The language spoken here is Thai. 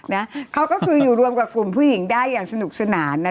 นะเขาก็คืออยู่รวมกับกลุ่มผู้หญิงได้อย่างสนุกสนานนะ